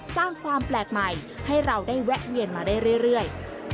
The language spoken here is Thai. สร้างความแปลกใหม่ให้เราได้แวะเวียนมาได้เรื่อย